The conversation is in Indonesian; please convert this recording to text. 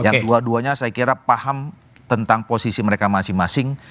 yang dua duanya saya kira paham tentang posisi mereka masing masing